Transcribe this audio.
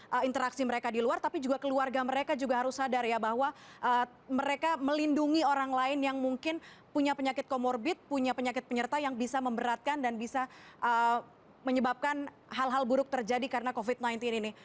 bagaimana interaksi mereka di luar tapi juga keluarga mereka juga harus sadar ya bahwa mereka melindungi orang lain yang mungkin punya penyakit comorbid punya penyakit penyerta yang bisa memberatkan dan bisa menyebabkan hal hal buruk terjadi karena covid sembilan belas ini